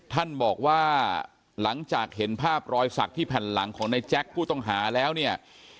ท่านบอกว่าหลังจากเห็นภาพรอยสักที่แผ่นหลังของนายแจ๊คผู้ต้องหาแล้วเนี่ย